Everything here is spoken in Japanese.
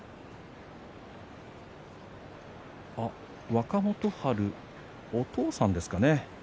若元春、お父さんですかね。